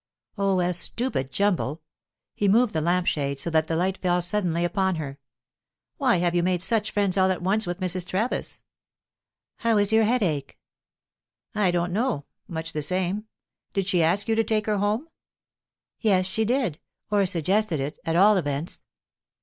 "Oh, a stupid jumble." He moved the lamp shade, so that the light fell suddenly full upon her. "Why have you made such friends all at once with Mrs. Travis?" "How is your headache?" "I don't know much the same. Did she ask you to take her home?" "Yes, she did or suggested it, at all events."